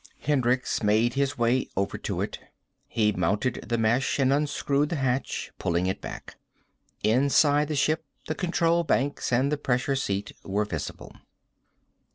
Hendricks made his way over to it. He mounted the mesh and unscrewed the hatch, pulling it back. Inside the ship the control banks and the pressure seat were visible.